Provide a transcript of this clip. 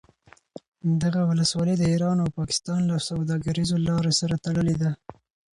دغه ولسوالي د ایران او پاکستان له سوداګریزو لارو سره تړلې ده